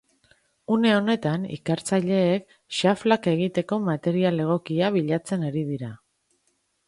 Une honetan ikertzaileek xaflak egiteko material egokia bilatzen ari dira.